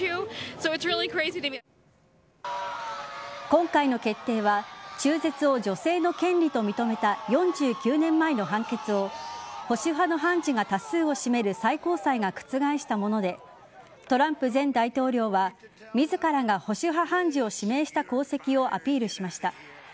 今回の決定は中絶を女性の権利と認めた４９年前の判決を保守派の判事が多数を占める最高裁が覆したものでトランプ前大統領は自らが保守派判事を指名した功績をアピールしました。